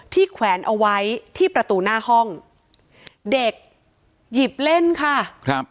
แขวนเอาไว้ที่ประตูหน้าห้องเด็กหยิบเล่นค่ะครับ